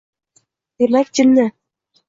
— Demak, jinni!